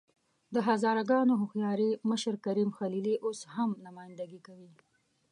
د هزاره ګانو هوښیار مشر کریم خلیلي اوس هم نمايندګي کوي.